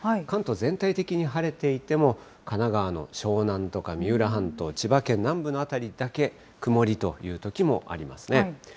関東全体的に晴れていても、神奈川の湘南とか三浦半島、千葉県南部の辺りだけ、曇りというときもありますね。